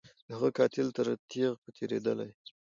د هغه قاتل تر تیغ به تیریدلای